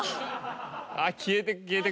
あっ消えてく消えてく！